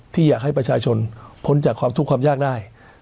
ที่อยากให้ประชาชนพ้นจากความทุกข์ความยากได้